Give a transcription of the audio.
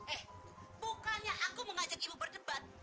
eh bukannya aku mengajak ibu berdebat